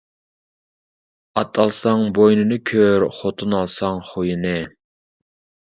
ئات ئالساڭ بوينىنى كۆر، خوتۇن ئالساڭ خۇيىنى.